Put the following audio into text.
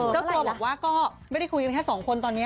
ก็พบว่าไม่ได้คุยแค่๒คนตอนนี้